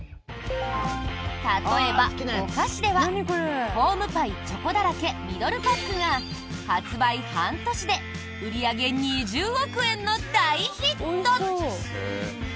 例えば、お菓子ではホームパイチョコだらけミドルパックが発売半年で売り上げ２０億円の大ヒット！